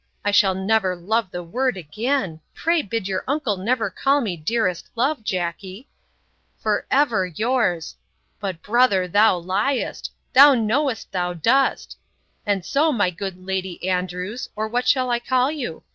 I shall never love the word again! Pray bid your uncle never call me dearest love, Jackey!'—For ever yours!—'But, brother, thou liest!—Thou knowest thou dost.—And so, my good Lady Andrews, or what shall I call you?